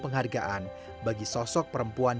penghargaan bagi sosok perempuan